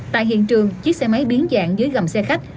tại hiện trường chiếc xe máy biến dạng dưới gầm xe khách